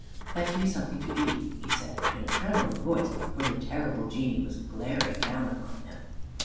"Fetch me something to eat," he said in a trembling voice, for the terrible Genie was glaring down upon him.